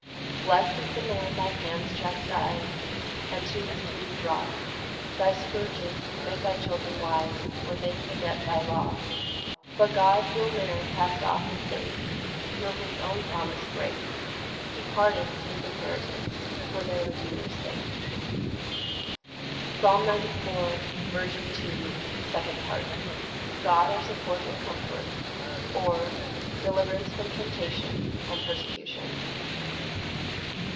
5 Blest is the man thy hands chastise, And to his duty draw; Thy scourges make thy children wise When they forget thy law. 6 But God will ne'er cast off his saints, Nor his own promise break; He pardons his inheritance For their Redeemer's sake. Psalm 94:2. 16 23. Second Part. God our support and comfort; or, Deliverance from temptation and persecution.